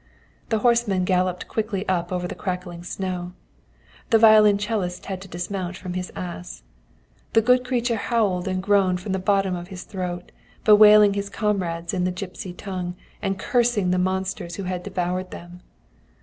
"The horsemen galloped quickly up over the crackling snow. "The violoncellist had to dismount from his ass. "The good creature howled and groaned from the bottom of his throat, bewailing his comrades in the gipsy tongue, and cursing the monsters who had devoured them.